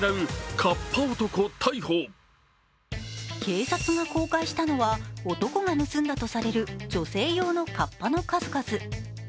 警察が公開したのは、男が盗んだとされる女性用のカッパの数々。